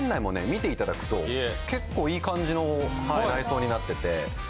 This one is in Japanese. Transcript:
見ていただくと結構いい感じの内装になってて。